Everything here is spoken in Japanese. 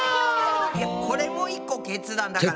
いやこれも１個決断だから。